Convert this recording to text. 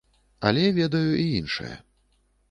Але ведаю і іншае.